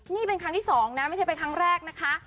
นี่เป็นครั้งที่๒นะไม่ใช่เป็นครั้งแรกนะคะ